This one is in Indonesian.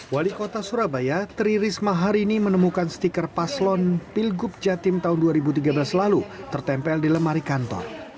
wali kota surabaya tri risma hari ini menemukan stiker paslon pilgub jatim tahun dua ribu tiga belas lalu tertempel di lemari kantor